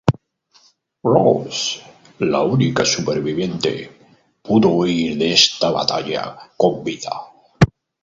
Rose, la única superviviente pudo huir de esta batalla con vida.